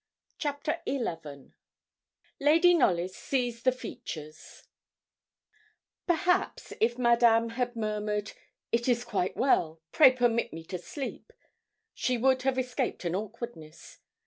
CHAPTER XI LADY KNOLLYS SEES THE FEATURES Perhaps, if Madame had murmured, 'It is quite well pray permit me to sleep,' she would have escaped an awkwardness.